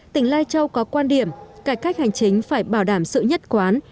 tỉnh lai châu có quan điểm cải cách hành chính phải bảo đảm sự nhất quán